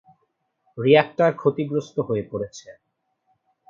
Reactor ক্ষতিগ্রস্ত হয়ে পড়েছে।